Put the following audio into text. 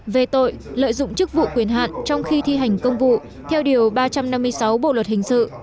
về tội lợi dụng chức vụ quyền hạn trong khi thi hành công vụ theo điều ba trăm năm mươi sáu bộ luật hình sự